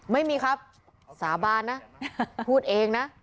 ไม่มีครับสาบานนะพูดเองนะ